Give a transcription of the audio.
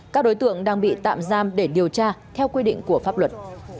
các đối tượng đang bị tạm giam để điều tra theo quy định của pháp luật